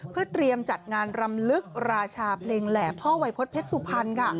เพื่อเตรียมจัดงานรำลึกราชาเพลงแหล่พ่อวัยพฤษเพชรสุพรรณค่ะ